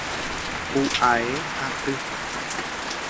Pu'ae aty.